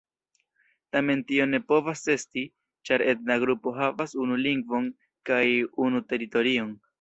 Tamen tio ne povas esti, ĉar etna grupo havas unu lingvon kaj unu teritorion.